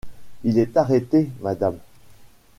Il est arrêté, madame.